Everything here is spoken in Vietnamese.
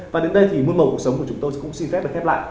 và đến đây thì môn màu cuộc sống của chúng tôi cũng xin phép được khép lại